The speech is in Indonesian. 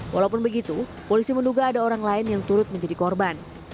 walaupun begitu polisi menduga ada orang lain yang turut menjadi korban